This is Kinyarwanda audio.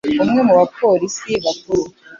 Umwe mu bapolisi bakuru